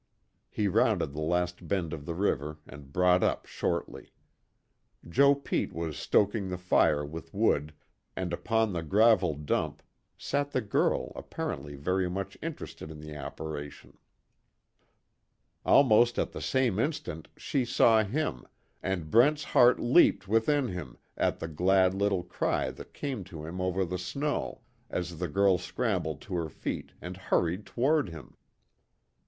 He rounded the last bend of the river and brought up shortly. Joe Pete was stoking the fire with wood, and upon the gravel dump, sat the girl apparently very much interested in the operation. Almost at the same instant she saw him, and Brent's heart leaped within him at the glad little cry that came to him over the snow, as the girl scrambled to her feet and hurried toward him.